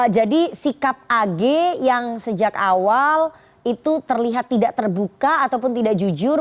jadi sikap ag yang sejak awal itu terlihat tidak terbuka ataupun tidak jujur